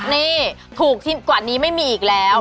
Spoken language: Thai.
นี่ถูกที่กว่านี้ไม่มีอีกแล้ว